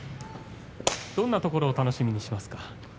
どんなところを楽しみにしますか。